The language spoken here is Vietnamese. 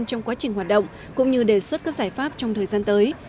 trong quá trình hoạt động cũng như đề xuất các giải pháp trong thời gian tới